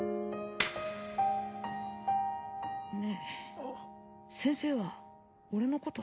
ねえ先生は俺のこと